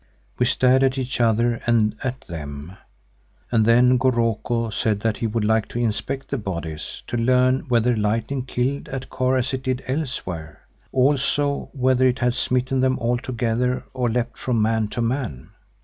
We stared at each other and at them, and then Goroko said that he would like to inspect the bodies to learn whether lightning killed at Kôr as it did elsewhere, also whether it had smitten them altogether or leapt from man to man.